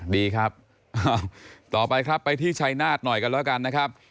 ดีครับต่อไปครับไปที่ชัยนาฏหน่อยกันแล้วกันนะครับ